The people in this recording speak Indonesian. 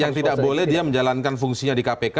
yang tidak boleh dia menjalankan fungsinya di kpk